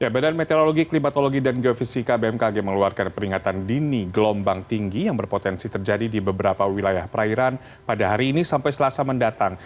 badan meteorologi klimatologi dan geofisika bmkg mengeluarkan peringatan dini gelombang tinggi yang berpotensi terjadi di beberapa wilayah perairan pada hari ini sampai selasa mendatang